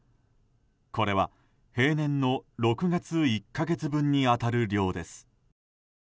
これは平年の６月１か月分に当たる量です。